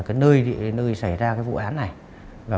cái nơi địa nơi xảy ra cái vụ án này và